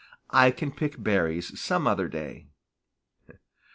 I can pick berries some other day."